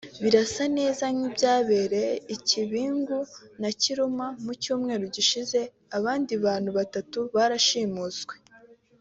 Birasa neza n’ibyabereye i Kibingu na Kirima mu cyumweru gishize abandi bantu batatu barashimuswe